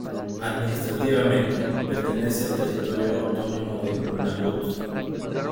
Administrativamente, pertenece al territorio autónomo de Nunavut.